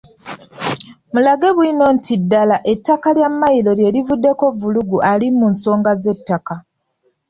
Mulage bwino nti ddala ettaka lya Mmayiro lye livuddeko vvulugu ali mu nsonga z’ettaka.